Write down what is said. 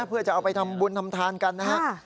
เพื่อจะเอาไปทำบุญทำทานกันนะครับ